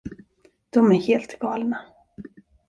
De är helt galna.